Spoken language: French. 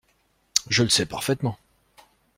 Je le sais parfaitement.